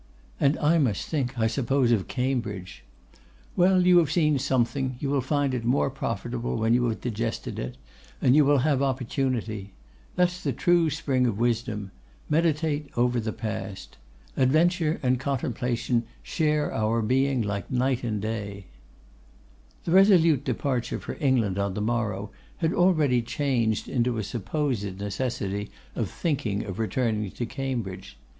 'And I must think, I suppose, of Cambridge.' 'Well, you have seen something; you will find it more profitable when you have digested it: and you will have opportunity. That's the true spring of wisdom: meditate over the past. Adventure and Contemplation share our being like day and night.' The resolute departure for England on the morrow had already changed into a supposed necessity of thinking of returning to Cambridge.